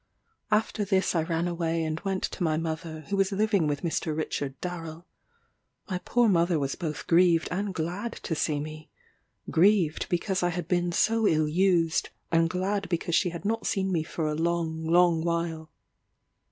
After this I ran away and went to my mother, who was living with Mr. Richard Darrel. My poor mother was both grieved and glad to see me; grieved because I had been so ill used, and glad because she had not seen me for a long, long while.